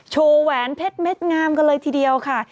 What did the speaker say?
แหวนเพชรเม็ดงามกันเลยทีเดียวค่ะ